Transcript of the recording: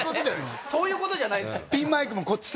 そういうことじゃないんですよ。